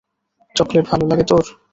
Chocolate ভালো লাগে তোর?